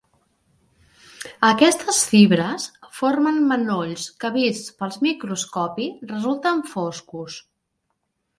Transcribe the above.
Aquestes fibres formen manolls que vists pel microscopi resulten foscos.